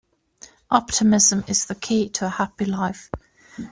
Optimism is the key to a happy life.